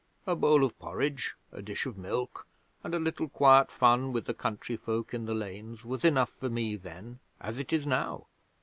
A bowl of porridge, a dish of milk, and a little quiet fun with the country folk in the lanes was enough for me then, as it is now.